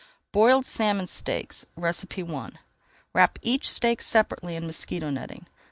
BOILED SALMON STEAKS I Wrap each steak separately in mosquito netting.